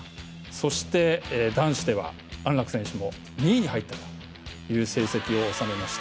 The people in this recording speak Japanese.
そして、男子では安楽選手も２位に入ったという成績を収めました。